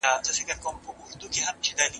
زه د کوچنیانو سره مینه کوم.